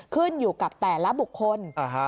ขึ้นอยู่กับแต่ละบุคคล